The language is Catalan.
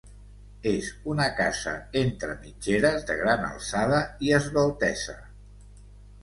És una casa entre mitgeres, de gran alçada i esveltesa.